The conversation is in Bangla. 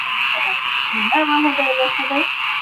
শ্রাবণ মেঘের দিন ছবির সংগীত পরিচালনা করেন মকসুদ জামিল মিন্টু।